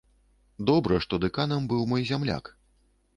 Добра, што дэканам быў мой зямляк.